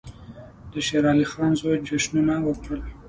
د شېر علي خان زوی جشنونه وکړل.